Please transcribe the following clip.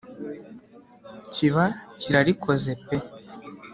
kiba kirarikoze pe